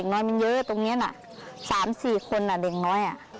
น้อยมันเยอะตรงนี้น่ะ๓๔คนเด็กน้อย